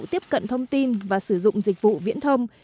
tiếp cận thông tin và sử dụng dịch vụ viễn thông